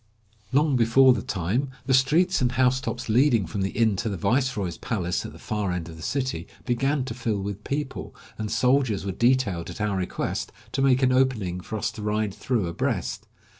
Long before the time, the streets and housetops leading from the inn to the viceroy's palace at the far end of the city began to fill with people, and soldiers were detailed at our request to make an opening for us to ride through abreast.